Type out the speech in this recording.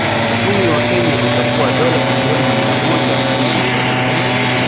Uchumi wa Kenya utakuwa dola bilioni mia moja kumi na tatu